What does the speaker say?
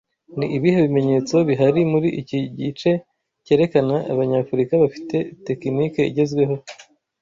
Ni ibihe bimenyetso bihari muri iki gice cyerekana Abanyafurika bafite tekinike igezweho